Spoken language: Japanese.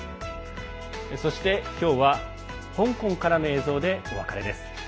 そして、今日は香港からの映像でお別れです。